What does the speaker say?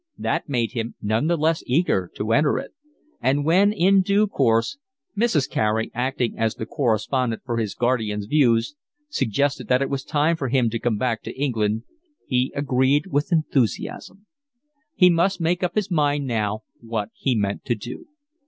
That made him none the less eager to enter it; and when, in due course, Mrs. Carey, acting as the correspondent for his guardian's views, suggested that it was time for him to come back to England, he agreed with enthusiasm. He must make up his mind now what he meant to do.